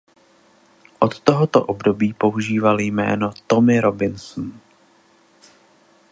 Od tohoto období používal jméno Tommy Robinson.